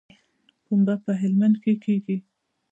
پنبه په هلمند کې کیږي